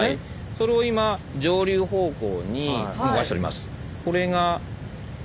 それを今上流方向に動かしております。